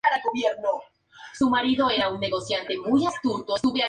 Es el actual copiloto de Mikko Hirvonen en el World Rally Championship.